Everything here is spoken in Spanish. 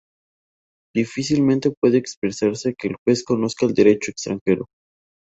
Difícilmente puede esperarse que el juez conozca el derecho extranjero.